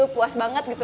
puas banget gitu